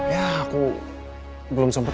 ya aku belum sempet